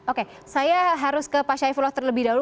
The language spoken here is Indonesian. oke saya harus ke pak syaifullah terlebih dahulu